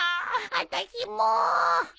あたしも！